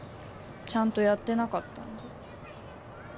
ちゃんとやってなかったんだ